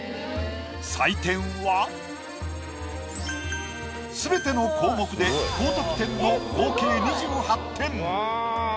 採点はすべての項目で高得点の合計２８点。